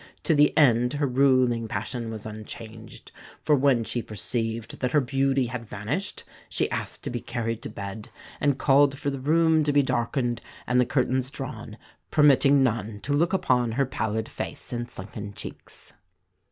To the end her ruling passion was unchanged; for when she perceived that her beauty had vanished she asked to be carried to bed, and called for the room to be darkened and the curtains drawn, permitting none to look upon her pallid face and sunken cheeks."